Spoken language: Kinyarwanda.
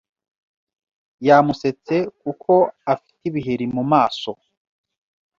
Yamusetse kuko afite ibiheri mu maso